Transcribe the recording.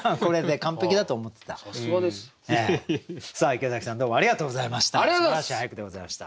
池崎さんどうもありがとうございました。